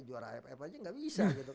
juara aff aja nggak bisa gitu kan